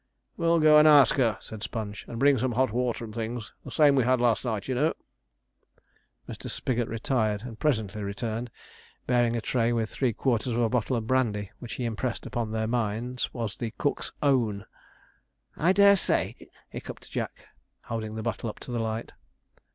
'Well, go and ask her,' said Sponge; 'and bring some hot water and things, the same as we had last night, you know.' Mr. Spigot retired, and presently returned, bearing a tray with three quarters of a bottle of brandy, which he impressed upon their minds was the 'cook's own.' 'I dare say,' hiccuped Jack, holding the bottle up to the light.